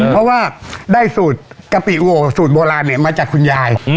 เพราะว่าได้สูตรกะปิโอสูตรโบราณเนี่ยมาจากคุณยาย